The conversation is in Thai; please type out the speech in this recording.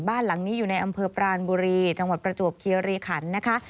บ้านหลังนี้อยู่ในอำเภอปรานบุรีจังหวัดประจวบคีรีขันนะคะ